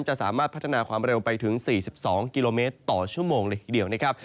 จะสามารถพัฒนาความเร็วไปถึง๔๒กิโลเมตรต่อชั่วโมงเลยทีเดียวนะครับ